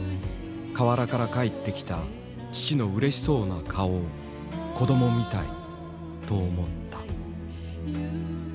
河原から帰ってきた父のうれしそうな顔を「子供みたい」と思った。